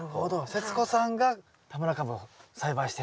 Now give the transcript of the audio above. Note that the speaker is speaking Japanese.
世津子さんが田村かぶを栽培していると。